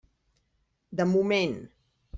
De moment.